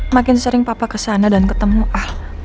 makin sering papa kesana dan ketemu ar